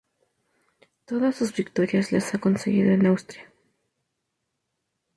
Todas sus victorias las ha conseguido en Austria.